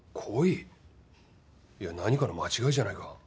いや何かの間違いじゃないか？